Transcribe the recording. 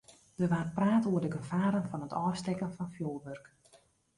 Der waard praat oer de gefaren fan it ôfstekken fan fjoerwurk.